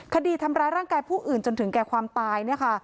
คดีทำร้ายร่างกายผู้อื่นจนถึงแก่ความตายเนี่ยค่ะ